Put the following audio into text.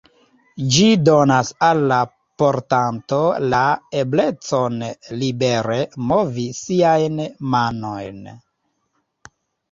Ĝi donas al la portanto la eblecon libere movi siajn manojn.